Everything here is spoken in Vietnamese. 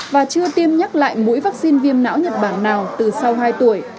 và chưa tiêm nhắc lại mũi vaccine viêm não nhật bản nào từ sau hai tuổi